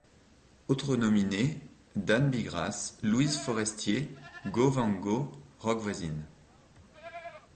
Autres nominés: Dan Bigras, Louise Forestier, Gogh Van Go, Roch Voisine.